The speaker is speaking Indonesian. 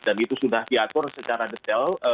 dan itu sudah diatur secara detail